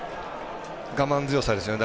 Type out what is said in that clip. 我慢強さですよね。